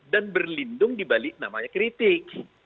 dan berlindung dibalik namanya kritik